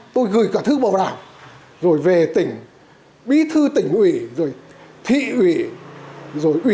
tôi gửi cả thư bảo đảm rồi về tỉnh bí thư tỉnh ủy rồi thị ủy rồi ủy